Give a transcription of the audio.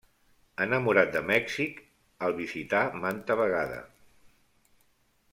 Enamorat de Mèxic, el visità manta vegada.